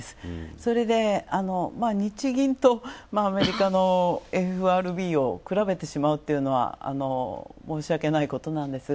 それで日銀とアメリカのＦＲＢを比べてしまうというのは申し訳ないことなんですが。